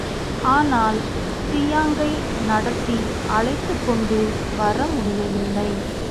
ஆனால் சியாங்கை நடத்தி அழைத்துக்கொண்டு வரமுடியவில்லை.